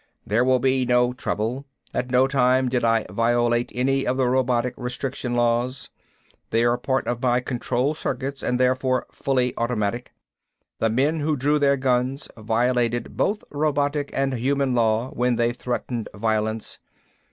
"There will be no trouble. At no time did I violate any of the Robotic Restriction Laws, they are part of my control circuits and therefore fully automatic. The men who drew their guns violated both robotic and human law when they threatened violence.